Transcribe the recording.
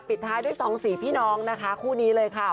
ปิดท้ายด้วยสองสีพี่น้องนะคะคู่นี้เลยค่ะ